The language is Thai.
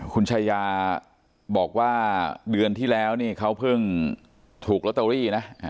คุณชายาบอกว่าเดือนที่แล้วนี่เขาเพิ่งถูกลอตเตอรี่นะ